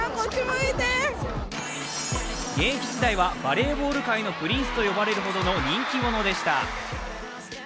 現役時代はバレーボール界のプリンスと呼ばれるほどの人気者でした。